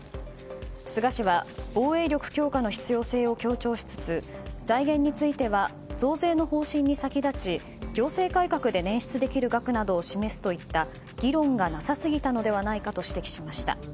菅氏は防衛力強化の必要性を強調しつつ財源については増税の方針に先立ち行政改革で捻出できる額などを示すといった議論がなさすぎたのではないかと指摘しました。